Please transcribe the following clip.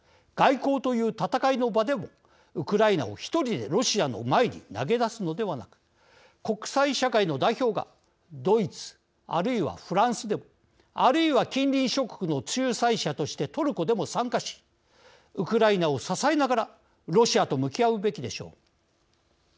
外交という戦いの場でもウクライナを１人でロシアの前に投げ出すのではなく国際社会の代表がドイツあるいはフランスでもあるいは近隣諸国の仲裁者としてトルコでも参加しウクライナを支えながらロシアと向き合うべきでしょう。